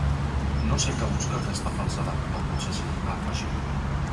No sé què busca aquesta falsedat, o potser sí…, ha afegit.